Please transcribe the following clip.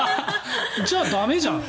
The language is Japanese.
じゃあ、駄目じゃん。